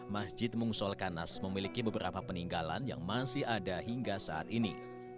masjid mungsolkanas memiliki beberapa peninggalan yang masih ada hingga saat ini